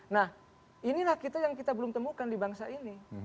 nah inilah kita yang kita belum temukan di bangsa ini